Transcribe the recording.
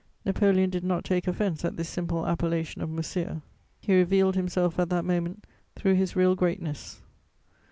Napoleon did not take offense at this simple appellation of monsieur; he revealed himself at that moment through his real greatness.